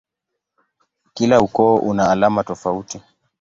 Kila ukoo una alama tofauti.